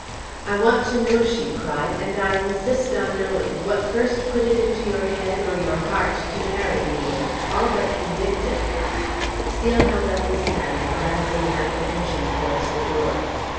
"I want to know," she cried, "and I insist on knowing, what first put it into your head or your heart to marry me all but convicted " Steel held up his hand, glancing in apprehension towards the door.